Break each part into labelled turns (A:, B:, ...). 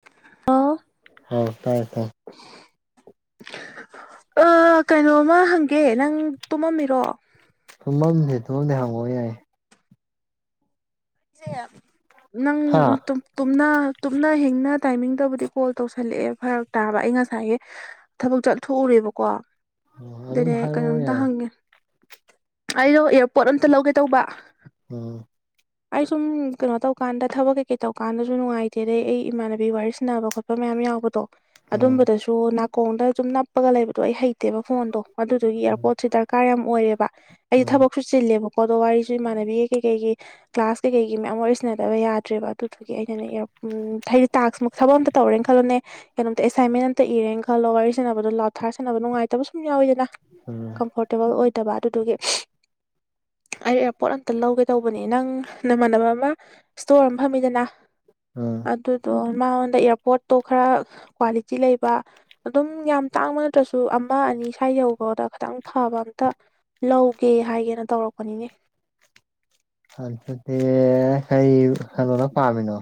A: [unintelligible]
B: ꯍꯥꯎ ꯇꯥꯏ ꯇꯥꯏ
A: ꯑ ꯀꯩꯅꯣꯝꯃꯥ ꯍꯪꯒꯦ ꯅꯪ ꯇꯨꯝꯃꯝꯃꯤꯔꯣ
B: ꯇꯨꯝꯃꯝꯗꯦ ꯇꯨꯝꯃꯝꯗꯦ ꯍꯪꯉꯣ ꯌꯥꯏꯌꯦ
A: ꯅꯪ
B: ꯍꯥ
A: [unintelligible] ꯇꯨꯝꯅ ꯇꯨꯝꯅ ꯍꯤꯡꯅ ꯇꯥꯏꯃꯤꯡꯗꯕꯨꯗꯤ ꯀꯣꯜ ꯇꯧꯁꯜꯂꯛꯑꯦ ꯐꯔꯛ ꯇꯥꯕ ꯑꯩ ꯉꯁꯥꯏꯒꯩ ꯊꯕꯛ ꯆꯠꯊꯣꯛꯎꯔꯦꯕꯀꯣ
B: ꯎꯝ ꯑꯗꯨꯝ
A: ꯑꯗꯨꯅꯦ
B: ꯍꯥꯏꯔꯛꯑꯣ
A: ꯀꯩꯅꯣꯝꯇ
B: ꯌꯥꯏ
A: ꯍꯪꯒꯦ ꯑꯩꯗꯣ ꯏꯌꯥꯔꯄꯣꯠ ꯑꯝꯇ ꯂꯧꯒꯦ ꯇꯧꯕ
B: ꯎꯝ
A: ꯑꯩ ꯁꯨꯝ ꯀꯩꯅꯣ ꯇꯧꯀꯥꯟꯗ ꯊꯕꯛ ꯀꯩꯀꯩ ꯇꯧꯀꯥꯟꯗꯁꯨ ꯅꯨꯡꯉꯥꯏꯇꯦꯗꯩ ꯑꯩ ꯏꯃꯥꯟꯅꯕꯤ ꯋꯥꯔꯤ ꯁꯥꯟꯅꯕ ꯈꯣꯠꯄ ꯃꯌꯥꯝ ꯌꯥꯎꯕꯗꯣ
B: ꯎꯝ
A: ꯑꯗꯨꯝꯕꯗꯁꯨ ꯅꯥꯀꯣꯡꯗ ꯁꯨꯝ ꯅꯞꯄꯒ ꯂꯩꯕꯗꯣ ꯑꯩ ꯍꯩꯇꯦꯕ ꯐꯣꯟꯗꯣ ꯑꯗꯨꯗꯨꯒꯤ ꯑꯦꯌꯥꯔꯄꯣꯔꯠꯁꯦ ꯗꯔꯀꯥꯔ ꯌꯥꯝ ꯑꯣꯏꯔꯦꯕ ꯑꯩꯗꯤ
B: ꯎꯝ
A: ꯊꯕꯛꯁꯨ ꯆꯤꯜꯂꯦꯕꯀꯣ ꯑꯗꯣ ꯋꯥꯔꯤꯁꯨ ꯏꯃꯥꯟꯅꯕꯤꯒꯤ ꯀꯩ ꯀꯩꯒꯤ ꯀ꯭ꯂꯥꯁ ꯀꯩꯀꯩꯒꯤ ꯃꯌꯥꯝ ꯋꯥꯔꯤꯁꯥꯟꯅꯗꯕ ꯌꯥꯗ꯭ꯔꯦꯕ ꯑꯗꯨꯗꯨꯒꯤ ꯑꯩꯅꯅꯦ ꯎꯝ ꯍꯥꯏꯗꯤ ꯇꯥꯛꯁ ꯊꯕꯛ ꯑꯝꯇ ꯇꯧꯔꯦꯅ ꯈꯜꯂꯣꯅꯦ ꯀꯩꯅꯣꯝꯇ ꯑꯦꯁꯥꯏꯟꯃꯦꯟ ꯑꯝꯇ ꯏꯔꯦꯅ ꯈꯜꯂꯣ ꯋꯥꯔꯤꯁꯥꯟꯅꯕꯗꯣ ꯂꯥꯎꯠ ꯊꯥꯔ ꯁꯥꯟꯅꯕꯗꯣ ꯅꯨꯡꯉꯥꯏꯇꯕ ꯁꯨꯝ ꯌꯥꯎꯋꯤꯗꯅ
B: ꯎꯝ
A: ꯀꯝꯐꯣꯔꯇꯦꯕꯜ ꯑꯣꯏꯗꯕ ꯑꯗꯨꯗꯨꯒꯤ ꯑꯩ ꯑꯦꯌꯥꯔꯄꯣꯠ ꯑꯝꯇ ꯂꯧꯒꯦ ꯇꯧꯕꯅꯦ ꯅꯪ ꯅꯃꯥꯟꯅꯕ ꯑꯃ ꯏꯁꯇꯣꯔ ꯑꯃ ꯐꯝꯃꯤꯗꯅ
B: ꯎꯝ
A: ꯑꯗꯨ ꯑꯗꯣ ꯃꯥꯉꯣꯟꯗ ꯏꯌꯥꯔꯄꯣꯠꯇꯣ ꯈꯔ ꯀ꯭ꯋꯥꯂꯤꯇꯤ ꯂꯩꯕ ꯑꯗꯨꯝ ꯌꯥꯝ ꯇꯥꯡꯕ ꯅꯠꯇ꯭ꯔꯁꯨ ꯑꯃ ꯑꯅꯤ ꯁ꯭ꯋꯥꯏ ꯌꯧꯕꯗ ꯈꯤꯇꯪ ꯐꯕ ꯑꯝꯇꯥ ꯂꯧꯒꯦ ꯍꯥꯏꯒꯦꯅ ꯇꯧꯔꯛꯄꯅꯤꯅꯦ
B: ꯑꯗꯨꯗꯤ ꯀꯔꯤ ꯀꯩꯅꯣꯅꯣ ꯄꯥꯝꯃꯤꯗꯣ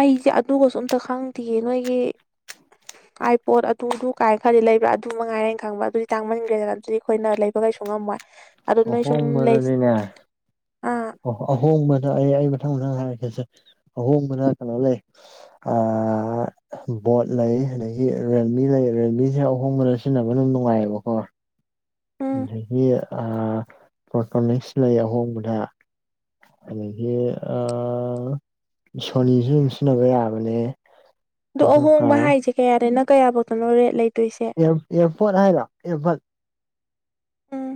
A: ꯑꯩꯁꯦ ꯑꯗꯨꯒꯁꯨ ꯑꯝꯇ ꯈꯪꯗꯤꯌꯦ ꯅꯣꯏꯒꯤ ꯑꯥꯏ ꯄꯣꯠ ꯑꯗꯨ ꯑꯗꯨ ꯀꯥꯏꯅ ꯈꯔꯗꯤ ꯂꯩꯕ꯭ꯔꯥ ꯑꯗꯨ ꯃꯉꯥꯏꯔꯦ ꯑꯩꯅ ꯈꯪꯕ꯭ꯔꯥ ꯑꯗꯨꯗꯤ ꯇꯥꯡꯃꯟꯈ꯭ꯔꯦꯗꯅ ꯑꯗꯨꯗꯤ ꯑꯩꯈꯣꯏꯅ ꯂꯩꯕ ꯀꯩꯁꯨ ꯉꯝꯃꯣꯏ ꯑꯗꯨ ꯅꯣꯏꯁꯨꯝ ꯂꯩ ꯑꯥ
B: ꯑꯣ ꯑꯍꯣꯡꯕꯗ ꯑꯩ ꯑꯩ ꯃꯊꯪ ꯃꯊꯪ ꯍꯥꯏꯔꯛꯀꯦꯁꯦ ꯑꯍꯣꯡꯕꯗ ꯀꯩꯅꯣ ꯂꯩ ꯑ ꯕꯣꯠ ꯂꯩ ꯑꯗꯒꯤ ꯔꯦꯜꯃꯤ ꯂꯩ ꯔꯦꯜꯃꯤꯁꯦ ꯑꯍꯣꯡꯕꯗ ꯁꯤꯖꯤꯟꯅꯕ ꯑꯗꯨꯝ ꯅꯨꯡꯉꯥꯏꯌꯦꯕꯀꯣ
A: ꯎꯝ
B: ꯑꯗꯒꯤ ꯄꯣꯇꯣꯅꯤꯛꯁ ꯂꯩ ꯑꯍꯣꯡꯕꯗ ꯑꯗꯒꯤ ꯑ ꯁꯣꯅꯤꯁꯨ ꯑꯗꯨꯝ ꯁꯤꯖꯤꯟꯅꯕ ꯌꯥꯕꯅꯦ
A: ꯑꯗꯣ ꯑꯍꯣꯡꯕ
B: ꯑꯗꯨꯒ
A: ꯍꯥꯏꯁꯦ ꯀꯌꯥꯗꯩꯩꯅ ꯀꯌꯥꯐꯧꯗꯅꯣ ꯔꯦꯠ ꯂꯩꯗꯣꯏꯁꯦ
B: ꯑꯦꯌꯔꯄꯣꯔꯠ ꯍꯥꯏꯔꯣ ꯑꯦꯌꯔꯕꯠ
A: ꯎꯝ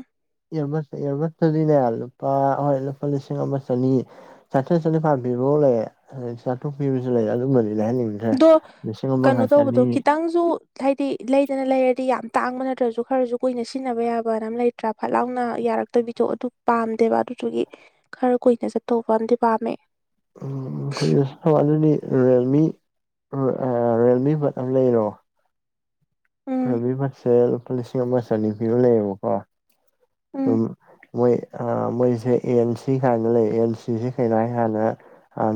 B: ꯏꯌꯔꯕꯠ ꯇꯗꯤꯅꯦ ꯂꯨꯄꯥ ꯍꯣꯏ ꯂꯨꯄꯥ ꯂꯤꯁꯤꯡ ꯑꯃ ꯆꯅꯤ ꯆꯥꯇꯔ꯭ꯦꯠ ꯆꯅꯤꯄꯥꯟ ꯄꯥꯝꯕꯤꯕꯐꯥꯎ ꯂꯩꯌꯦ ꯆꯥꯇꯔ꯭ꯨꯛ ꯄꯤꯕꯁꯨ ꯂꯩꯌꯦ ꯑꯗꯨꯒꯨꯝꯕꯗꯤ ꯂꯩ ꯍꯟꯅꯤꯡꯗꯦ
A: ꯑꯗꯣ ꯀꯩꯅꯣ ꯇꯧꯕꯗꯣ ꯈꯤꯇꯪꯁꯨ ꯍꯥꯏꯗꯤ ꯂꯩꯗꯅ ꯂꯩꯔꯗꯤ ꯌꯥꯝ ꯇꯥꯡꯕ ꯅꯠꯇ꯭ꯔꯁꯨ ꯈꯔꯁꯨ ꯀꯨꯏꯅ ꯁꯤꯖꯤꯟꯅꯕ ꯌꯥꯕꯅ ꯑꯃ ꯂꯩ ꯐꯠ ꯂꯥꯎꯅ ꯌꯥꯔꯛꯇꯕꯤꯗꯣ ꯑꯗꯨ ꯄꯥꯝꯗꯦꯕ ꯑꯗꯨꯗꯨꯒꯤ ꯈꯔ ꯀꯨꯏꯅ ꯆꯠꯇꯧꯕ ꯑꯃꯗꯤ ꯄꯥꯝꯃꯦ
B: ꯑꯩꯈꯣꯏꯒꯤ ꯑꯗꯨꯗꯤ ꯔꯤꯌꯦꯜꯃꯤ ꯔꯤꯌꯦꯜꯃꯤ ꯕꯠ ꯑꯃ ꯂꯩꯔꯣ
A: ꯎꯝ
B: ꯔꯤꯌꯦꯜꯃꯤ ꯕꯠꯁꯦ ꯂꯨꯄꯥ ꯂꯤꯁꯤꯡ ꯑꯃ ꯆꯅꯤ ꯄꯤꯕ ꯂꯩꯌꯦꯕꯀꯣ
A: ꯎꯝ
B: ꯑꯗꯨꯝ ꯃꯣꯏ ꯃꯣꯏꯁꯦ ꯑꯦ ꯑꯦꯟ ꯁꯤ ꯀꯥꯏꯅ ꯂꯩ ꯑꯦꯟ ꯁꯤꯁꯦ ꯀꯩꯅꯣ ꯍꯥꯏꯀꯥꯟꯗ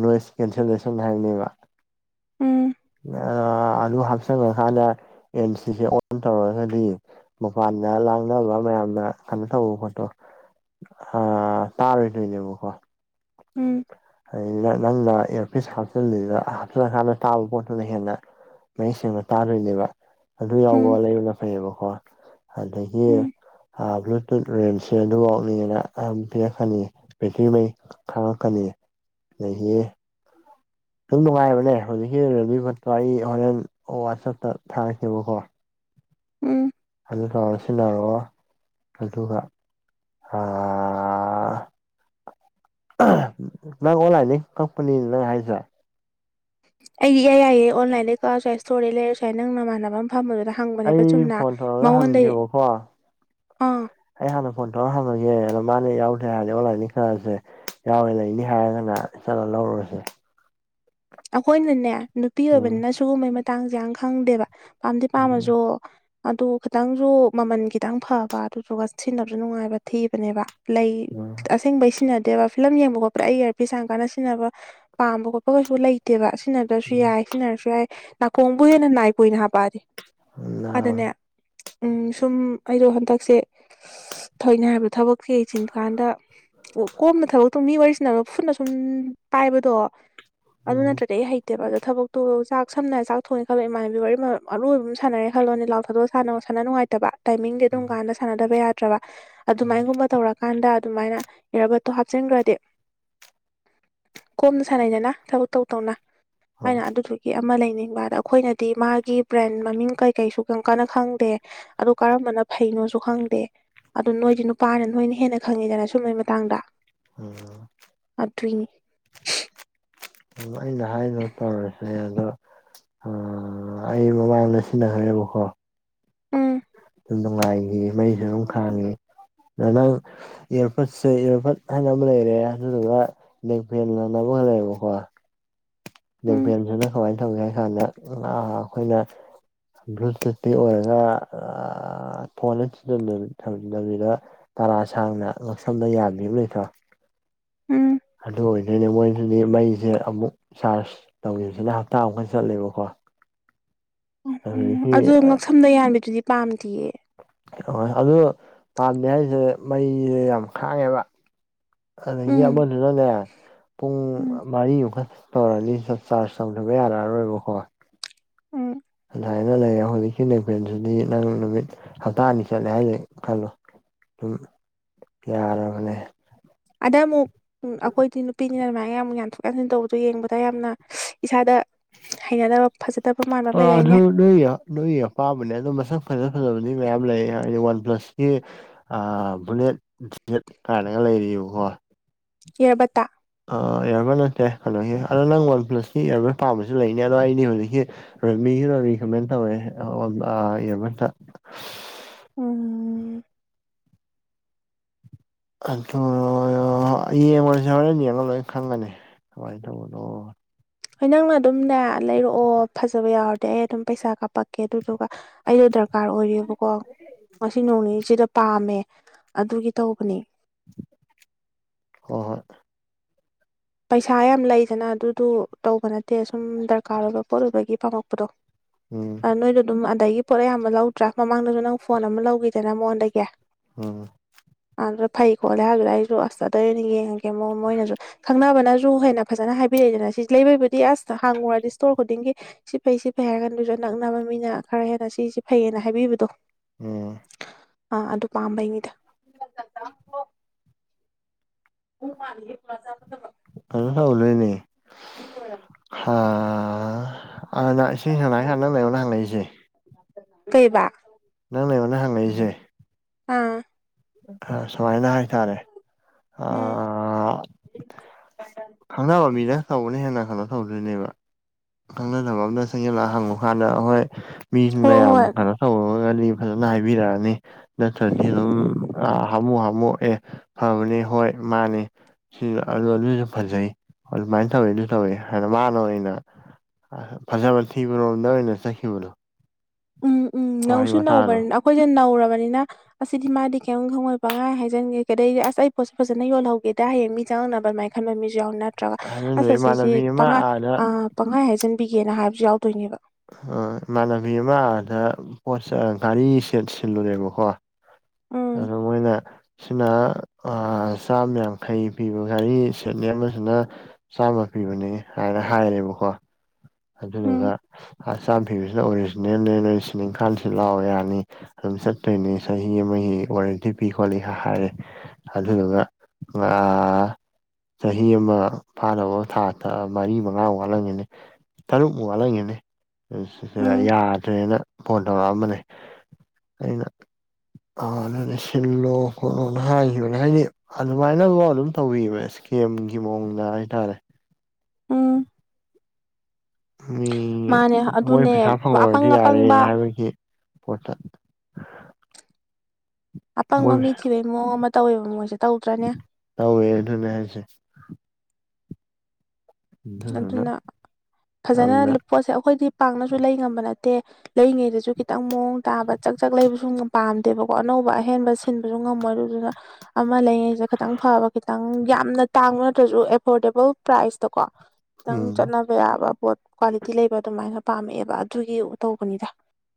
B: ꯅꯣꯏꯁ ꯀꯦꯟꯁꯦꯂꯦꯁꯟ ꯍꯥꯏꯕꯅꯦꯕ
A: ꯎꯝ
B: ꯑꯥ ꯑꯗꯨ ꯍꯥꯞꯆꯟꯈ꯭ꯔꯀꯥꯟꯗ ꯑꯦꯟ ꯁꯤꯁꯦ ꯑꯣꯟ ꯇꯧꯔꯒꯗꯤ ꯃꯄꯥꯟꯗ ꯂꯥꯡꯅꯕ ꯃꯌꯥꯝꯅ ꯀꯩꯅꯣ ꯇꯧꯕ ꯄꯣꯠꯇꯣ ꯑꯥ ꯇꯥꯔꯣꯏ ꯅꯣꯏꯅꯦꯕꯀꯣ
A: ꯎꯝ
B: ꯅꯪꯅ ꯏꯌꯥꯔꯄꯤꯤꯁ ꯍꯥꯞꯆꯤꯜꯂꯤꯗ ꯍꯥꯞꯆꯜꯂꯀꯥꯟꯗ ꯇꯥꯕ ꯄꯣꯠꯇꯨꯅ ꯍꯦꯟꯅ ꯃꯌꯦꯛ ꯁꯦꯡꯅ ꯇꯥꯗꯣꯏꯅꯦꯕ ꯑꯗꯨ
A: ꯎꯝ
B: ꯌꯥꯎꯕ ꯂꯩꯕꯅ ꯐꯩꯌꯦꯕꯀꯣ ꯑꯒ
A: ꯎꯝ
B: ꯕ꯭ꯂꯨꯇꯨꯠ ꯔꯦꯝꯁꯦ ꯑꯗꯨꯐꯥꯎꯅꯤꯅꯀꯅꯤ ꯕꯦꯇ꯭ꯔꯤꯉꯩ ꯈꯪꯉꯛ ꯐꯅꯤꯌꯦ ꯅ ꯑꯗꯨꯝ ꯅꯨꯡꯉꯥꯏꯕꯅꯦ ꯍꯧꯖꯤꯛꯀꯤ ꯔꯦꯗꯤ ꯐꯣꯠꯇꯣ ꯑꯩ ꯍꯣꯔꯦꯟ ꯋꯥꯆꯞꯇ ꯊꯥꯔꯁꯦꯕꯀꯣ
A: ꯎꯝ
B: ꯑꯗꯨ ꯇꯧꯔ ꯁꯤꯟꯅꯔꯑꯣ ꯑꯗꯨꯒ ꯑ ꯅꯪ ꯑꯣꯟꯂꯥꯏꯟꯗꯒꯤ ꯀꯛꯄꯅꯤꯅ ꯅꯪ ꯍꯥꯏꯔꯤꯁꯦ
A: ꯑꯩꯒꯤ ꯏꯌꯥ ꯌꯥꯏꯌꯦ ꯑꯣꯟꯂꯥꯏꯟꯗꯒꯤ ꯀꯛꯑ ꯁꯁꯨꯥꯏ ꯁ ꯏꯁꯇꯣꯔꯩ ꯂꯩꯔꯦꯨꯥꯏ ꯅꯪ ꯅꯃꯥꯟꯅꯕ ꯑꯃ ꯐꯝꯕꯗꯨꯗ ꯍꯪꯕꯅꯦꯕ
B: ꯑꯩ
A: ꯆꯨꯝꯅ
B: ꯐꯣꯟ ꯇꯧꯔꯒ
A: ꯃꯉꯣꯟꯗꯩ
B: ꯍꯪꯒꯦꯕꯀꯣ
A: ꯑꯥ
B: ꯑꯩ ꯍꯥꯟꯅ ꯐꯣꯟ ꯇꯧꯔ ꯍꯜꯂꯒꯦ ꯑꯗꯣ ꯃꯥꯅꯦ ꯌꯥꯎꯗꯦꯔꯗꯤ ꯑꯣꯟꯂꯥꯏꯟꯗꯒꯤ ꯈꯔꯁꯦ ꯌꯥꯎꯋꯦ ꯂꯩꯅꯤ ꯍꯥꯏꯔꯒꯅ ꯆꯠꯂ ꯂꯧꯔꯨꯔꯁꯦ
A: ꯑꯩꯈꯣꯏꯅꯅꯦ ꯅꯨꯄꯤ
B: ꯎꯝ
A: ꯑꯣꯏꯕꯅꯤꯅ ꯁꯤꯨꯒꯨꯝꯕꯩ ꯃꯇꯥꯡꯁꯦ ꯌꯥꯝ ꯈꯪꯗꯦꯕ ꯄꯥꯝꯗꯤ ꯄꯥꯝꯃꯁꯨ ꯑꯗꯨ ꯈꯤꯇꯪꯁꯨ ꯃꯃꯜ ꯈꯤꯇꯪ ꯐꯕ ꯑꯗꯨꯗꯨꯒ ꯁꯤꯟꯅꯕꯁꯨ ꯅꯨꯡꯉꯥꯏꯕ ꯊꯤꯕꯅꯦꯕ ꯂꯩ ꯑꯁꯦꯡꯕꯩ ꯁꯤꯅ ꯦꯕ ꯐꯤꯂꯝ ꯌꯦꯡꯕ ꯈꯣꯠꯄꯗ ꯑꯩꯒꯤꯔ ꯐ ꯁꯥꯡ ꯀꯥꯟꯅ ꯁꯤꯟꯅꯕꯥꯝꯕ ꯈꯣꯠꯄꯒꯁꯨ ꯂꯩ ꯅꯠꯇꯦꯕ ꯁꯤꯖꯤꯟꯅꯗ꯭ꯔꯁꯨ ꯌꯥꯏ ꯁꯤꯖꯤꯟꯅꯔꯁꯨ ꯌꯥꯏ ꯅꯥꯀꯣꯡꯕꯨ ꯍꯦꯟꯅ ꯅꯥꯏ ꯀꯨꯏꯅ ꯍꯥꯄꯛꯑꯗꯤ ꯑꯗꯨꯅꯦ ꯎꯝ ꯁꯨꯝ ꯑꯩꯗꯣ ꯍꯟꯗꯛꯁꯦ ꯊꯣꯏꯅ ꯍꯥꯏꯕ ꯊꯕꯛꯁꯦ ꯌꯦꯡꯁꯤꯟ ꯀꯥꯟꯗ ꯀꯣꯝꯅ ꯊꯕꯛꯇꯣ ꯃꯤ ꯋꯥꯔꯤꯁꯤꯅꯕ ꯐꯨꯠꯅ ꯁꯨꯝ ꯄꯥꯏꯕꯗꯣ ꯑꯗꯨ ꯅꯠꯇ꯭ꯔꯒ ꯑꯩ ꯍꯩ ꯅꯠꯇꯦꯕ ꯑꯗꯣ ꯊꯕꯛꯇꯣ ꯆꯥꯛ ꯁꯝꯅꯔ ꯆꯥꯛꯣꯡꯑꯦ ꯈꯜꯂꯣ ꯏꯃꯅꯕꯤ ꯋꯥꯔꯤ ꯑꯔꯣꯏꯕ ꯑꯃ ꯁꯥꯟꯅꯔꯦ ꯈꯜꯂꯣ ꯂꯥꯎꯊꯗꯣꯛꯑ ꯍꯥꯟꯅ ꯁꯥꯟꯅ ꯅꯨꯡꯉꯥꯏꯇꯕ ꯇꯥꯏꯃꯤꯡꯗꯤ ꯑꯗꯨꯝ ꯀꯥꯟꯗ ꯁꯥꯟꯅꯗꯕ ꯌꯥꯗ꯭ꯔꯕ ꯑꯗꯨꯃꯥꯏꯅꯒꯨꯝꯕ ꯇꯧꯔꯛ- ꯀꯥꯟꯗ ꯑꯗꯨꯃꯥꯏꯅ ꯏꯔꯥꯔꯕꯠꯇꯣ ꯍꯥꯞꯆꯤꯟꯈ꯭ꯔꯗꯤ ꯀꯣꯝꯅ ꯁꯥꯟꯅꯩꯗꯅ ꯊꯕꯛ ꯇꯧ ꯇꯧꯅ
B: ꯍꯣꯏ
A: ꯑꯩꯅ ꯑꯗꯨꯗꯨ- ꯒꯤ ꯑꯃ ꯂꯩꯅꯤꯡꯕ ꯑꯗꯣ ꯑꯈꯣꯏꯅꯗꯤ ꯃꯥꯒꯤ ꯕ꯭ꯔꯦꯟ ꯃꯃꯤꯡ ꯀꯩ ꯀꯩꯁꯨ ꯀꯩꯝ ꯀꯥꯟꯅ ꯈꯪꯗꯦ ꯑꯗꯣ ꯀꯔꯝꯕꯅ ꯐꯩꯅꯣꯁꯨ ꯈꯪꯗꯦ ꯑꯗꯨꯣ ꯅꯣꯏꯗꯤ ꯅꯨꯄꯥꯅ ꯅꯣꯏꯅ ꯍꯦꯟꯅ ꯈꯪꯉꯤꯗꯅ ꯁꯨꯝꯕꯒꯤ ꯃꯇꯥꯡꯗ
B: ꯎꯝ
A: ꯑꯗꯨꯏꯅꯤ
B: ꯑꯩꯅ ꯍꯥꯏꯗꯣ ꯇꯧꯔꯁꯦ ꯑꯗꯣ ꯑꯥ ꯑꯩ ꯃꯃꯥꯡꯗ ꯁꯤꯟꯅ ꯈ꯭ꯔꯦꯕꯀꯣ
A: ꯎꯝ
B: ꯑꯗꯨꯝ ꯅꯨꯡꯉꯥꯏꯈꯤ ꯃꯩꯁꯨ ꯑꯗꯨꯝ ꯈꯥꯡꯉꯤ ꯑꯗꯨ ꯅꯪ ꯏꯌꯥꯔꯄꯠꯁꯦ ꯏꯌꯥꯔꯕꯠ ꯍꯥꯏꯅ ꯑꯃ ꯂꯩꯔꯦ ꯑꯗꯨꯗꯨꯒ ꯅꯦꯛꯕꯦꯟ ꯑꯅꯥ ꯑꯃꯒ ꯂꯩꯌꯦꯕꯀꯣ
A: ꯎꯝ
B: ꯅꯦꯛꯕꯦꯟꯁꯤꯅ ꯀꯃꯥꯏꯅ ꯇꯧꯒꯦ ꯍꯥꯏ ꯀꯥꯟꯗ ꯅꯥ ꯑꯩꯈꯣꯏꯅ ꯕ꯭ꯂꯨꯇꯨꯠꯇꯤ ꯑꯣꯏꯔꯒ ꯑꯥ ꯐꯣꯟꯗ ꯊꯤꯖꯤꯟꯗꯕꯤ ꯊꯝꯖꯤꯟꯗꯕꯤꯗ ꯇꯔꯥ ꯁꯥꯡꯅ ꯉꯛꯁꯝꯗ ꯌꯥꯟꯕꯤ ꯑꯃ ꯂꯩꯇ꯭ꯔꯣ
A: ꯎꯝ
B: ꯑꯗꯨ ꯑꯣꯏꯗꯣꯏꯅꯦ ꯃꯣꯏꯁꯤꯗꯤ ꯃꯩꯁꯦ ꯑꯃꯨꯛ ꯆꯥꯔꯖ ꯇꯧꯈꯤꯕꯁꯤꯅ ꯍꯞꯇꯥ ꯑꯃꯨꯛꯀ ꯆꯠꯂꯦꯕꯀꯣ
A: ꯎꯝ ꯎꯝ
B: ꯑꯗꯨꯗꯒꯤ
A: ꯑꯗꯣ ꯉꯛꯁꯝꯗ ꯌꯥꯟꯕꯤꯗꯨꯗꯤ ꯄꯥꯝꯗꯤꯌꯦ
B: ꯍꯣꯏ ꯑꯗꯨ ꯄꯥꯝꯗꯦ ꯍꯥꯏꯁꯦ ꯃꯩꯁꯦ ꯌꯥꯝ ꯈꯥꯡꯉꯦꯕ ꯑꯗꯒꯤ
A: ꯎꯝ
B: ꯑꯃꯗꯣ ꯑꯗꯨꯅꯦ ꯄꯨꯡ
A: ꯎꯝ
B: ꯃꯔꯤꯃꯨꯛꯀ ꯇꯧꯔꯅꯤ ꯆꯥꯔꯖ ꯇꯧꯗꯕ ꯌꯥꯔꯛꯑꯔꯣꯏꯕꯀꯣ
A: ꯎꯝ
B: ꯑꯗꯨꯃꯥꯏꯅ ꯂꯩꯔꯦ ꯍꯧꯖꯤꯛꯀꯤ ꯅꯦꯛꯕꯦꯟꯗꯨꯗꯤ ꯅꯪ ꯅꯨꯃꯤꯠ ꯍꯞꯇꯥ ꯑꯅꯤ ꯆꯠꯂꯦ ꯍꯥꯏꯁꯦ ꯈꯜꯂꯣ ꯗꯨꯝ ꯌꯥꯔꯕꯅꯦ
A: ꯑꯗ ꯃꯨꯛ ꯎꯝ ꯑꯩꯈꯣꯏꯗꯤ ꯅꯨꯄꯤꯅꯤꯅ ꯑꯗꯨꯃꯥꯏꯅ ꯌꯥꯝ ꯌꯥꯟꯊꯣꯛ ꯌꯥꯟꯁꯤꯟ ꯇꯧꯕꯗꯨꯣ ꯌꯦꯡꯕꯗ ꯌꯥꯝꯅ ꯏꯁꯥꯗ ꯍꯩꯅꯗꯕ ꯐꯖꯗꯕ ꯃꯥꯟꯕ ꯑꯃ ꯂꯩꯗꯥꯏꯅꯦ
B: ꯂꯣꯌꯥ ꯅꯣꯏꯒꯤ ꯑꯄꯥꯝꯕꯅꯦ ꯑꯗꯣ ꯃꯁꯛ ꯐꯖ ꯐꯖꯕꯗꯤ ꯃꯌꯥꯝ ꯂꯩ ꯍꯥꯏꯗꯤ ꯋꯥꯟ ꯄ꯭ꯂꯁꯀꯤ ꯕꯨꯂꯦꯠ ꯖꯦꯠ ꯀꯥꯏꯅꯒ ꯂꯩꯔꯤꯌꯦꯕꯀꯣ
A: ꯏꯌꯥꯔꯕꯠꯇꯥ
B: ꯑꯥ ꯏꯌꯥꯔꯕꯠ ꯅꯠꯇꯦ ꯀꯩꯅꯣꯒꯤ ꯑꯗꯣ ꯅꯪ ꯋꯥꯟ ꯄ꯭ꯂꯁꯀꯤ ꯏꯌꯥꯔꯕꯠ ꯄꯥꯝꯕꯁꯨ ꯂꯩꯅꯤ ꯑꯗꯣ ꯑꯩꯗꯤ ꯍꯧꯖꯤꯛꯀꯤ ꯔꯦꯗꯃꯤꯒꯤꯔꯣ ꯔꯤꯀꯃꯦꯟ ꯇꯧꯋꯦ ꯑꯥ ꯑꯣ ꯑꯥ ꯏꯌꯥꯔꯕꯠꯇꯥ
A: ꯎꯝ
B: ꯈꯟꯊꯧꯔꯣꯌꯣ ꯍꯩꯌꯦꯡ ꯑꯣꯏꯔꯁꯨ ꯍꯦꯔꯦꯟ ꯌꯦꯡꯉꯒ ꯂꯣꯏꯅ ꯈꯪꯉꯅꯤ ꯀꯃꯥꯏꯅ ꯇꯧꯕꯅꯣ
A: ꯍꯣꯏ ꯅꯪꯅ ꯑꯗꯨꯝꯅꯦ ꯂꯩꯔꯛꯑꯣ ꯐꯖꯕ ꯌꯥꯎꯔꯗꯤ ꯑꯩ ꯑꯗꯨꯝ ꯄꯩꯁꯥ ꯀꯥꯞꯄꯛꯀꯦ ꯑꯗꯨꯗꯨꯒ ꯑꯩꯗꯣ ꯗꯔꯀꯥꯔ ꯑꯣꯏꯔꯦꯕꯀꯣ ꯉꯁꯤ ꯅꯣꯡꯅꯤꯁꯤꯗ ꯄꯥꯝꯃꯦ ꯑꯗꯨꯒꯤ ꯇꯧꯕꯅꯤ
B: ꯍꯣ ꯍꯣꯏ
A: ꯄꯩꯁꯥ ꯌꯥꯝ ꯂꯩꯗꯅ ꯑꯗꯨꯗꯨ ꯇꯧꯕ ꯅꯠꯇꯦ ꯁꯨꯝ ꯗꯔꯀꯥꯔ ꯑꯣꯏꯕ ꯄꯣꯠ ꯑꯣꯏꯕꯒꯤ ꯄꯥꯝꯃꯛꯄꯗꯣ [inaudible]
B: ꯎꯝ
A: ꯅꯣꯏꯗꯣ ꯑꯗꯨꯝ ꯑꯗꯒꯤ ꯄꯣꯠ ꯑꯌꯥꯝꯕ ꯂꯧꯗ꯭ꯔꯥ ꯃꯃꯥꯡꯗꯁꯨ ꯅꯪ ꯐꯣꯟ ꯑꯃ ꯂꯧꯈꯤꯗꯅ ꯃꯉꯣꯟꯗꯒꯤ
B: ꯎꯝ
A: ꯑꯗꯨꯗ ꯐꯩ ꯈꯣꯠꯂꯦ ꯍꯥꯏꯕꯨꯗ ꯑꯩꯁꯨ ꯑꯗꯒꯤ ꯑꯣꯏꯅ ꯌꯦꯡꯉꯒꯦ ꯃꯣ ꯃꯣꯏꯅꯁꯨ ꯈꯪꯅꯕꯅꯁꯨꯨ ꯍꯦꯟꯅ ꯐꯖꯅ ꯍꯥꯏꯕꯤꯔꯛꯏꯗꯅ ꯁꯤ ꯂꯩꯕꯩꯕꯨꯗꯤ ꯑꯁ ꯍꯥꯡꯉꯨꯔꯗꯤ ꯏꯁꯇꯣꯔ ꯈꯨꯗꯤꯡꯒꯤ ꯁꯤ ꯐꯩ ꯁꯤ ꯐꯩ ꯍꯥꯏꯔꯒꯥꯟꯗꯨꯁꯨ ꯅꯛꯅꯕ ꯃꯤꯅ ꯈꯔ ꯍꯦꯟꯅ ꯁꯤꯁꯤ ꯐꯩꯌꯦꯅ ꯍꯥꯏꯕꯤꯕꯗꯣ
B: ꯎꯝ
A: ꯑꯥ ꯑꯗꯨ ꯄꯥꯝꯕꯩꯅꯤꯗ [unintelligible] [unintelligible]
B: ꯀꯩꯅꯣ ꯇꯧꯗꯣꯏꯅꯦ ꯍꯥ ꯍꯥꯟꯅ [unintelligible] ꯅꯪꯅ ꯑꯩꯉꯣꯟꯗ ꯍꯪꯉꯛꯏꯁꯦ
A: ꯀꯩꯕ
B: ꯅꯪꯅ ꯑꯩꯉꯣꯜꯗ ꯍꯉꯛ ꯏ ꯁꯦ
A: ꯑꯥ
B: ꯑ ꯁꯨꯃꯥꯏꯅ ꯍꯥꯏꯇꯥꯔꯦ ꯑ
A: ꯎꯝ
B: ꯈꯪꯅꯕ ꯃꯤꯅ ꯇꯧꯕꯅ ꯍꯦꯅꯥ ꯀꯩꯅꯣ ꯇꯧꯗꯣꯏꯅꯦꯕ ꯈꯪꯅꯗꯕ ꯑꯃꯅ ꯆꯪꯖꯜꯂ ꯍꯪꯉꯨ ꯀꯥꯟꯗ ꯍꯣꯏ ꯃꯤꯗꯨꯅ
A: ꯍꯣꯏ
B: ꯌꯥꯝ
A: ꯍꯣꯏ
B: ꯀꯩ ꯇꯧꯔꯒꯗꯤ ꯐꯖꯅ ꯍꯥꯏꯕꯤꯔꯛꯑꯅꯤ ꯅꯠꯇ꯭ꯔꯗꯤ ꯑꯗꯨꯝ ꯍꯥꯃꯨ ꯍꯥꯃꯨ ꯑꯦ ꯐꯕꯅꯤ ꯍꯣꯏ ꯃꯥꯅꯤ ꯁꯤ ꯑꯗꯨ ꯑꯗꯨꯁꯨ ꯐꯖꯩ ꯑꯗꯨꯃꯥꯏꯅ ꯇꯧꯋꯤ ꯑꯗꯨ ꯇꯧꯋꯤ ꯍꯥꯏꯅ ꯃꯥꯅ ꯑꯣꯏꯅ ꯐꯖꯕ ꯊꯤꯕꯔꯣꯝꯗ ꯑꯣꯏꯅ ꯆꯠꯈꯤꯕꯅꯣ
A: ꯎꯝ ꯎꯝ ꯅꯧꯁꯨ ꯅꯧꯕꯅꯤꯅ ꯑꯩꯈꯣꯏꯁꯦ ꯅꯧꯔꯕꯅꯤꯅ ꯑꯁꯤꯗꯤ ꯃꯥꯗꯤ ꯀꯔꯤꯝ ꯈꯪꯉꯣꯏꯕ ꯉꯥꯏ ꯍꯥꯏꯖꯟꯒꯦ ꯀꯩꯗꯩ ꯑꯁ ꯑꯩꯣꯠꯁꯦ ꯐꯖꯅ ꯌꯣꯜꯍꯧꯒꯦꯗ ꯍꯌꯦꯡ ꯃꯤ ꯆꯪꯉꯛꯅꯕꯥ ꯃꯥꯏ ꯈꯟꯕ ꯃꯤꯁꯨ ꯌꯥꯎ ꯅꯠꯇ꯭ꯔꯒ
B: ꯑꯗꯨꯅ
A: ꯑꯁ ꯁꯤꯁꯤ
B: ꯏꯃꯥꯟꯅꯕꯤ ꯑꯃ
A: ꯇꯉꯥꯏ
B: ꯑꯥꯗ
A: ꯄꯪꯍꯥꯏ ꯍꯥꯏꯖꯟꯕꯤꯒꯦꯅ ꯍꯥꯏꯕꯁꯨ ꯌꯥꯎꯗꯣꯏꯅꯦꯕ
B: ꯑꯣ ꯏꯃꯥꯟꯅꯕꯤ ꯑꯃꯗ ꯄꯣꯠ ꯒꯥꯔꯤ ꯁꯦꯠ ꯁꯤꯜꯂꯨꯔꯦꯕꯀꯣ
A: ꯎꯝ
B: ꯑꯗꯨ ꯃꯣꯏꯅ ꯁꯤꯅ ꯆꯥꯝ ꯌꯥꯡꯈꯩ ꯄꯤꯕ ꯍꯥꯏꯅꯤ ꯁꯦꯠꯅꯤ ꯑꯃꯁꯤꯅ ꯆꯥꯝꯃ ꯄꯤꯕꯅꯦ ꯍꯥꯏꯅ ꯍꯥꯏꯔꯦꯕꯀꯣ ꯑꯗꯨꯗꯨꯒ
A: ꯎꯝ
B: ꯑ ꯆꯥꯝ ꯄꯤꯕꯁꯤꯅ ꯑꯣꯔꯤꯖꯤꯅꯦꯜꯅꯦ ꯅꯣꯏ ꯁꯤ ꯏꯪꯈꯥꯁꯤ ꯂꯥꯎꯑꯣ ꯌꯥꯅꯤ ꯑꯗꯨꯝ ꯆꯠꯇꯣꯏꯅꯦ ꯆꯍꯤ ꯑꯃꯒꯤ ꯋꯥꯔꯦꯟꯇꯤ ꯄꯤ ꯈꯣꯠꯂꯤ ꯍꯥꯏꯔꯦ ꯑꯗꯨꯗꯨꯒ ꯉ ꯆꯍꯤ ꯑꯃ ꯐꯥꯅꯕ ꯊꯥꯇ ꯃꯔꯤ ꯃꯉꯥ ꯋꯥꯠꯂꯝꯒꯅꯤ ꯇꯔꯨꯛꯃꯨꯛ ꯋꯥꯠꯂꯝꯒꯤꯅꯤ ꯁꯤꯗ
A: ꯎꯝ
B: ꯌꯥꯗ꯭ꯔꯦꯅ ꯐꯣꯟ ꯇꯧꯔꯛꯑꯝꯕꯅꯦ ꯑꯩꯅ ꯑꯅ ꯁꯤꯜꯂꯣ ꯈꯣꯠꯂꯣꯅ ꯍꯥꯏꯈꯤꯕꯅꯦ ꯍꯥꯏꯗꯤ ꯑꯗꯨꯃꯥꯏꯅꯕꯣ ꯑꯗꯨꯝ ꯇꯧꯕꯤꯕ ꯏꯁꯀꯦꯝꯒꯤ ꯃꯑꯣꯡꯗ ꯍꯥꯏꯇꯥꯔꯦ
A: ꯎꯝ
B: ꯃꯤ
A: ꯃꯥꯅꯦ
B: ꯃꯣꯏ
A: ꯑꯗꯨꯅꯦ
B: ꯄꯩꯁꯥ
A: ꯑꯄꯪ
B: ꯐꯪꯂꯍꯔꯗꯤ ꯌꯥꯔꯦ
A: ꯑꯄꯪꯕ
B: ꯍꯥꯏꯕꯒꯤ ꯄꯣꯠꯇ
A: ꯑꯄꯪꯕ
B: ꯃꯣꯏ
A: ꯃꯤ ꯊꯤꯕꯩ ꯃꯑꯣꯡ ꯑꯃ ꯇꯧꯋꯦꯕ ꯃꯣꯏꯁꯦ ꯇꯧꯗ꯭ꯔꯅꯦ
B: ꯇꯧꯋꯦ ꯑꯗꯨꯅꯦ ꯍꯥꯏꯁꯦ ꯑꯗꯨꯗꯨꯅ
A: ꯑꯗꯨꯅ ꯐꯖꯅ
B: ꯌꯥꯝꯅ
A: ꯄꯣꯠꯁꯦ ꯑꯩꯈꯣꯏꯗꯤ ꯄꯥꯛꯅꯁꯨ ꯂꯩ ꯉꯝꯕ ꯅꯠꯇꯦ ꯂꯩꯉꯩꯗꯁꯨ ꯈꯤꯇꯪ ꯃꯑꯣꯡ ꯇꯥꯕ ꯆꯥꯛ ꯆꯥꯛ ꯂꯩꯕꯁꯨ ꯄꯥꯝꯗꯦꯕꯀꯣ ꯑꯅꯧꯕ ꯑꯍꯦꯟꯕ ꯁꯤꯟꯕꯁꯨ ꯉꯝꯃꯣꯏ ꯑꯗꯨꯗꯨꯅ ꯑꯃ ꯂꯩꯉꯩꯁꯦ ꯈꯤꯇꯪ ꯐꯕ ꯈꯤꯇꯪ ꯌꯥꯝꯅ ꯇꯥꯡꯕ ꯅꯠꯇ꯭ꯔꯁꯨ ꯑꯦꯐꯣꯔꯗꯦꯕꯜ ꯄ꯭ꯔꯥꯏꯖꯇꯀꯣ ꯈꯤꯇꯪ
B: ꯎꯝ
A: ꯆꯠꯅꯕ ꯌꯥꯕ ꯄꯣꯠ ꯀ꯭ꯋꯥꯂꯤꯇꯤ ꯂꯩꯕ ꯑꯗꯨꯃꯥꯏꯅ ꯄꯥꯝꯃꯛꯑꯦꯕ ꯑꯗꯨꯒꯤ ꯇꯧꯕꯅꯤꯗ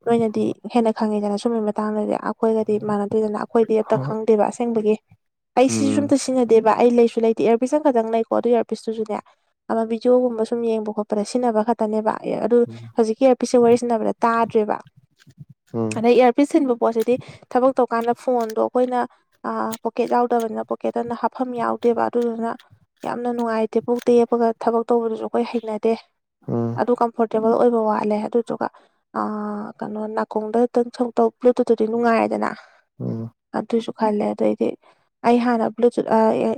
A: ꯅꯣꯏꯅꯗꯤ
B: ꯍꯣꯏ
A: ꯍꯦꯟꯅ ꯈꯪꯉꯦꯗꯅ ꯁꯨꯝꯕꯩ ꯃꯇꯥꯡꯗꯗꯤ ꯑꯩꯈꯣꯏꯒꯗꯤ ꯃꯥꯟꯅꯗꯦꯗꯅ ꯑꯩꯈꯣꯏꯗꯤ ꯑꯝꯇ ꯈꯪꯗꯦꯕ ꯑꯁꯦꯡꯕꯒꯤ ꯑꯩ ꯁꯤꯁꯨꯁ
B: ꯎꯝ
A: ꯑꯝꯇ ꯁꯤꯖꯤꯟꯅꯗꯦꯕ ꯑꯩ ꯂꯩꯁꯨ ꯂꯩꯇꯦ ꯏꯌꯥꯔ ꯄꯁ ꯑꯃ ꯈꯛꯇꯪ ꯂꯩꯀꯣ ꯑꯗꯨ ꯏꯔꯄꯤꯁꯇꯨꯁꯨꯅꯦ ꯑꯃ ꯕꯤꯗꯤꯑꯣꯒꯨꯝꯕ ꯁꯨꯝ ꯌꯦꯡꯕ ꯈꯣꯠꯄꯗ ꯁꯤꯟꯅꯕ ꯈ ꯅꯦꯕ ꯑꯗꯨ ꯍꯧꯖꯤꯛꯀꯤ ꯑꯦꯌꯥꯔ ꯄꯁꯦ ꯋꯥꯔꯤ ꯁꯟꯅꯕꯗ ꯇꯥꯗ꯭ꯔꯦꯕ
B: ꯎꯝ
A: ꯑꯗꯩ ꯄꯤꯁꯤꯟꯕ ꯄꯣꯠꯁꯤꯗꯤ ꯊꯕꯛ ꯇꯧꯀꯥꯟꯗ ꯐꯣꯟꯗꯣ ꯑꯩꯈꯣꯏꯅ ꯄꯣꯀꯦꯠ ꯌꯥꯎꯗꯕꯅꯤꯅ ꯄꯣꯀꯦꯠꯇꯅ ꯍꯥꯞꯐꯝ ꯌꯥꯎꯗꯦꯕ ꯑꯗꯨꯗꯨꯅ ꯌꯥꯝꯅ ꯅꯨꯡꯉꯥꯏꯇꯦ ꯄꯣꯛ ꯇ ꯌꯦꯞꯄꯒ ꯊꯕꯛ ꯇꯧꯕꯗꯨꯁꯨ ꯑꯩꯈꯣꯏ ꯍꯩꯅꯗꯦ
B: ꯎꯝ
A: ꯑꯗꯨ ꯀꯝꯐꯣꯔꯇꯦꯕꯜ ꯑꯣꯏꯕ ꯋꯥꯠꯂꯦ ꯑꯗꯨꯗꯨꯒ ꯑ ꯀꯩꯅꯣ ꯅꯥꯀꯣꯡꯗ ꯈꯤꯇꯪ ꯁꯇꯧ ꯕ꯭ꯂꯨꯇꯨꯠꯇꯨꯗꯤ ꯅꯨꯡꯉꯥꯏꯔꯦꯗꯅ
B: ꯎꯝ
A: ꯑꯗꯨꯁꯨ ꯈꯜꯂꯦ ꯑꯗꯨꯑꯣꯏꯗꯤ ꯑꯩ ꯍꯥꯟꯅ ꯕ꯭ꯂꯨꯇꯨꯠ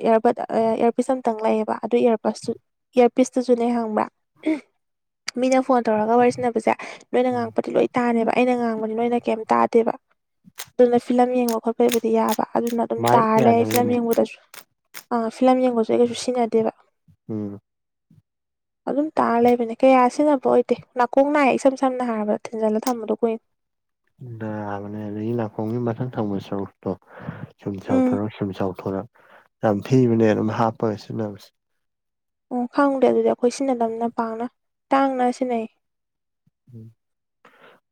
A: ꯏꯔꯔꯕꯠ ꯏꯔꯕꯤꯁ ꯑꯝꯇꯪ ꯂꯩꯌꯦꯕ ꯑꯗꯨ ꯏꯌꯥꯔꯄꯁꯁꯨ ꯏꯌꯥꯔꯄꯤꯁꯇꯨꯁꯨꯅꯦ ꯍꯪꯕ꯭ꯔꯥ ꯃꯤꯅ ꯐꯣꯟ ꯇꯧꯔꯒ ꯋꯥꯔꯤ ꯁꯟꯅꯅꯕꯁꯦ ꯅꯣꯏꯅ ꯉꯥꯡꯉꯛꯄꯗꯤ ꯂꯣꯏ ꯇꯥꯅꯦꯕ ꯑꯩꯅ ꯉꯥꯡꯕꯅꯤ ꯅꯣꯏꯅ ꯀꯩꯝ ꯇꯥꯗꯦꯕ ꯑꯗꯨꯅ ꯐꯤꯂꯝ ꯌꯦꯡꯕ ꯈꯣꯠꯄ ꯑꯩꯈꯣꯏꯕꯨꯗꯤ ꯌꯥꯕ ꯑꯗꯨꯅ ꯑꯗꯨꯝ
B: ꯃꯥꯏꯛ
A: ꯇꯥꯔ ꯂꯩ ꯐꯤꯂꯝ
B: ꯌꯥꯗꯕꯩꯅꯦ
A: ꯌꯦꯡꯕꯗꯁꯨ ꯑꯥ ꯐꯤꯂꯝ ꯌꯦꯡꯕꯁꯨ ꯑꯩ ꯀꯩꯁꯨ ꯁꯤꯟꯅꯗꯦꯕ
B: ꯎꯝ
A: ꯑꯗꯨꯝ ꯇꯥꯔ ꯂꯩꯕꯅꯦ ꯀꯌꯥ ꯁꯤꯖꯤꯟꯅꯕ ꯑꯣꯏꯗꯦ ꯅꯥꯀꯣꯡ ꯅꯥꯏꯌꯦ ꯏꯁꯝ ꯁꯝꯅ ꯍꯥꯏꯔꯕꯗ ꯊꯤꯟꯖꯤꯜꯂꯒ ꯊꯝꯕꯗꯣ ꯀꯨꯏꯅ
B: ꯅꯥꯕꯅꯦ ꯑꯗꯒꯤ ꯅꯥꯀꫭꯡꯒꯤ ꯃꯊꯛ ꯊꯪꯕ ꯁꯔꯨꯛꯇꯣ ꯁꯨꯝ
A: ꯎꯝ
B: ꯆꯥꯎꯊꯣꯔꯛ ꯁꯨꯝ ꯆꯥꯎꯊꯣꯔꯛ ꯌꯥꯝ ꯊꯤꯕꯅꯦ ꯑꯗꯨꯝ ꯍꯥꯞꯄꯒ ꯁꯤꯖꯤꯟꯅꯕꯁꯦ
A: ꯑꯣ ꯈꯪꯗꯦ ꯑꯗꯨꯗꯤ ꯑꯩꯈꯣꯏ ꯁꯤꯟꯅ ꯂꯝꯅ ꯄꯥꯡꯅ ꯇꯥꯡꯅ ꯁꯤꯟꯅꯩ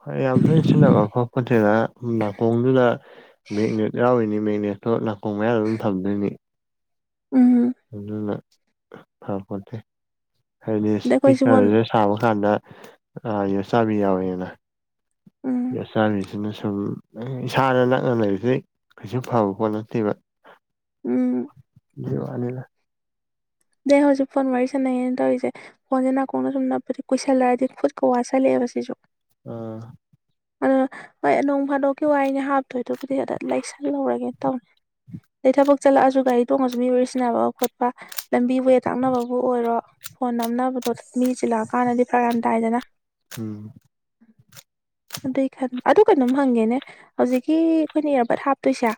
B: ꯍꯣꯏ ꯌꯥꯝ ꯇꯣꯏꯅ ꯁꯤꯕ ꯈꫭꯠꯄ ꯐꯥꯠꯇꯦꯅꯁꯨꯝ ꯅꯥꯀꯣꯡꯗꯨꯗ ꯃꯦꯒꯅꯦꯠ ꯌꯥꯎꯔꯤꯅꯤ ꯃꯦꯒꯅꯦꯠꯇꯣ ꯅꯥꯀꫭꯡ ꯃꯌꯥꯗ ꯑꯗꯨꯝ ꯊꯝꯗꯣꯏꯅꯤ
A: ꯎꯝ
B: ꯑꯗꯨꯅ ꯐ ꯈꯣꯠꯇꯦ ꯍꯥꯏꯗꯤ
A: ꯑꯗꯩ ꯑꯩꯈꯣꯏꯁꯨ ꯐꯣꯟ
B: ꯏꯁꯄꯤꯀꯔꯁꯦ ꯁꯥꯕ ꯀꯥꯟꯗ ꯌꯣꯠꯆꯥꯕꯤ ꯌꯥꯎꯋꯦꯗꯅ
A: ꯎꯝ
B: ꯌꯣꯠꯆꯥꯕꯤꯁꯦ ꯑꯁꯤꯅ ꯁꯨꯝ ꯏꯁꯥꯅ ꯅꯛꯅ ꯂꯩꯔꯤꯕꯁꯤ ꯀꯩꯁꯨ ꯐꯕ ꯄꯣꯠ ꯅꯠꯇꯦꯕ
A: ꯎꯝ
B: ꯖꯤꯑꫭꯅꯤꯗ
A: ꯗꯩ ꯍꯧꯖꯤꯛ ꯐꯣꯟ ꯋꯥꯔꯤ ꯁꯥꯟꯅꯪꯅ ꯇꯧꯔꯤꯁꯦ ꯐꫭꯟꯁꯦ ꯅꯥꯀꯣꯡꯅ ꯁꯨꯝ ꯅꯞꯄꯗꯤ ꯀꯨꯏꯁꯜꯂꯛꯑꯗꯤ ꯈꯨꯠꯀ ꯋꯥꯠꯁꯤꯜꯂꯛꯑꯦꯕ ꯁꯤꯁꯨ
B: ꯑ
A: ꯑꯗ ꯍꯣꯏ ꯅꯣꯡ ꯐꯥꯗꯣꯛꯀꯤ ꯋꯥꯔꯤꯅꯤ ꯍꯥꯞꯇꯣꯏꯗꯨꯕꯨꯗꯤ ꯑꯗ ꯂꯩꯁꯜꯍꯧꯔꯒꯦꯅ ꯇꯧꯅꯦ ꯑꯗꯩ ꯊꯕꯛ ꯆꯠꯂꯛꯑꯁꯨ ꯒꯥꯔꯤ ꯇꯣꯡꯉꯁꯨ ꯃꯤ ꯋꯥꯔꯤꯁꯤꯟꯅꯕ ꯈꯣꯠꯄ ꯂꯝꯕꯤ ꯋꯦ ꯇꯥꯛꯅꯕꯕꯨ ꯑꯣꯏꯔꯣ ꯐꯣꯟ ꯅꯝꯅꯕꯗꯣ ꯃꯤ ꯆꯤꯜꯂꯛꯑꯀꯥꯟꯗꯗꯤ ꯐꯔꯥꯛ ꯌꯥꯝ ꯇꯥꯏꯗꯅ
B: ꯎꯝ
A: ꯑꯗꯨꯏ ꯈꯟ ꯑꯗꯨ ꯀꯩꯅꯣꯝ ꯍꯪꯒꯦꯅꯦ ꯍꯧꯖꯤꯛꯀꯤ ꯑꯩꯈꯣꯏꯅ ꯏꯌꯥꯔꯕꯠ ꯍꯥꯞꯇꯣꯏꯁꯦ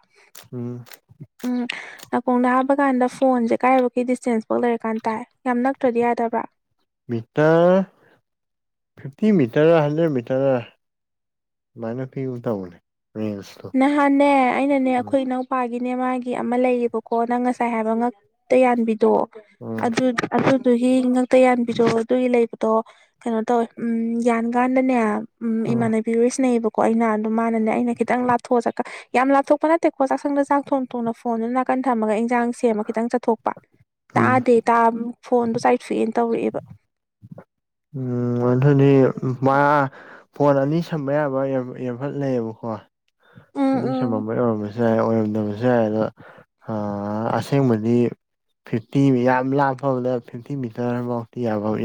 B: ꯎꯝ
A: ꯎꯝ ꯅꯥꯀꯣꯡꯗ ꯍꯥꯞꯄ ꯀꯥꯟꯗ ꯐꯣꯟꯁꯦ ꯀꯥꯏꯐꯥꯎꯒꯤ ꯗꯤꯁꯇꯦꯟꯁꯐꯥꯎ ꯂꯩꯔ ꯀꯥꯟ ꯇꯥꯏ ꯌꯥꯝ ꯅꯛꯇ꯭ꯔꯗꯤ ꯌꯥꯗꯕ꯭ꯔꯥ
B: metre fifty metre hundred metre ꯑꯃꯥꯏꯅ ꯄꯤꯒꯨꯝ ꯇꯧꯕꯅꯦ ꯔꯦꯟꯖ
A: ꯅꯍꯥꯟꯅꯦ ꯑꯩꯅꯅꯦ ꯑꯩꯈꯣꯏ ꯏꯅꯥꯎ ꯄꯥꯒꯤꯅꯦ ꯃꯥꯒꯤ ꯑꯃ ꯂꯩꯌꯦꯕꯀꯣ ꯅꯪ ꯉꯁꯥꯏ ꯍꯥꯏꯕ ꯉꯛꯇ ꯌꯥꯟꯕꯤꯗꯣ
B: ꯎꯝ
A: ꯑꯗꯨ ꯑꯗꯨꯗꯨꯒꯤ ꯉꯥꯛꯇ ꯌꯥꯟꯕꯤꯔꯑꯣ ꯑꯗꯨꯒꯤ ꯂꯩꯕ ꯇꫭ ꯀꯩꯅꯣ ꯇꯧꯋꯦ ꯎꯝ ꯌꯥꯟ ꯀꯥꯟꯗꯅꯦ ꯎꯝ ꯏꯃꯥꯟꯅꯕꯤ ꯄꯤ ꯋꯥꯔꯤ ꯁꯥꯟꯅꯩꯌꯦꯕꯀꯣ ꯑꯩꯅ ꯗꯣ ꯃꯥꯅꯅꯦ ꯑꯩꯅ ꯈꯤꯇꯪ ꯂꯥꯞ ꯊꫭꯛ ꯑ ꯆꯥꯀ ꯌꯥꯝ ꯂꯥꯊꯣꯛꯄ ꯅꯠꯇꯦꯀꯣ ꯆꯥꯛꯁꯪꯗ ꯆꯥꯛ ꯊꯣꯡ ꯊꯣꯡꯅ ꯐꯣꯟꯗꯨꯅ ꯅꯥꯀꯟ ꯊꯝꯃꯒ ꯏꯟꯖꯥꯡ ꯁꯦꯝ ꯁꯦꯝꯃ ꯈꯤꯇꯪ ꯆꯠꯊꯣꯛꯄ
B: ꯎꯝ
A: ꯇꯥꯗꯦ ꯇꯥꯕ ꯐꯣꯟꯗꯣ ꯆꯥꯏꯊꯣꯛꯑꯦꯅ ꯇꯧꯔꯛꯑꯦꯕ
B: ꯎꯝ ꯑꯗꯨꯗꯤ ꯃꯥ ꯐꯣꯟ ꯑꯅꯤ ꯁꯝꯕ ꯌꯥꯕ ꯑꯦꯌꯥꯔꯡꯕꯠ ꯂꯩꯌꯦꯕꯀꯣ
A: ꯎꯝ
B: ꯑꯅꯤ
A: ꯎꯝ
B: ꯁꯝꯃꯝꯕꯩ ꯑꫭꯏꯔꯝꯃꯁꯦ ꯌꯥꯏ ꯑꯣꯏꯔꯝꯗꯕꯁꯨ ꯌꯥꯏ ꯑꯗꯣ ꯑꯁꯦꯡꯕꯗꯤ ꯐꯤꯐꯇꯤ ꯌꯥꯝ ꯂꯥꯞ ꯐꯕꯗ ꯐꯤꯐꯇꯤ ꯃꯤꯇꯔ ꯑꯗꯨꯐꯥꯎꯗꯤ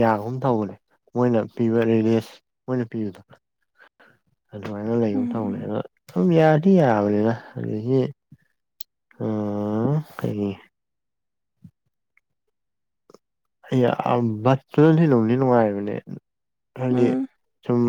B: ꯌꯥꯒꯨꯝ ꯇꯧꯕꯅꯦ ꯃꯣꯏꯅ ꯄꯤꯕ ꯔꯤꯂꯤꯁ ꯃꯣꯏꯅ ꯄꯤꯕꯗ ꯑꯗꯨꯃꯥꯏꯅ ꯂꯩꯒ ꯇꯧꯅꯦ
A: ꯎꯝ
B: ꯑꯗꯣ ꯁꯨꯝ ꯌꯥꯗꯤ ꯌꯥꯕꯅꯤꯅ ꯑꯗꯨꯗꯒꯤ ꯑ ꯀꯩ ꯑꯩ ꯌꯥꯝ ꯕꯠꯇꯨꯅꯗꯤ ꯅꯨꯡꯗꯤ ꯅꯨꯡꯉꯥꯏꯕꯅꯦ ꯍꯥꯏꯗꯤ
A: ꯎꯝ
B: ꯁꯨꯝ